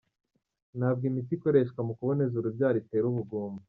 Ntabwo imiti ikoreshwa mu kuboneza urubyaro itera ubugumba.